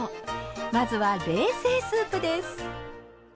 まずは冷製スープです。